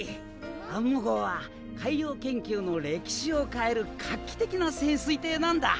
アンモ号は海洋研究の歴史を変える画期的な潜水艇なんだ！